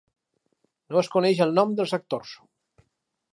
No es coneix el nom dels actors.